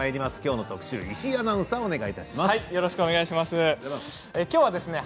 きょうの特集です。